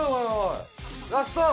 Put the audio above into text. ラスト！